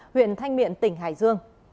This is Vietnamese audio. huyện thanh miện tỉnh hải dương